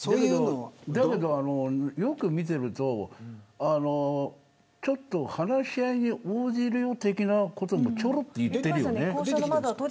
だけど、よく見てると話し合いに応じるよみたいなこともちょろっと言ってるよね。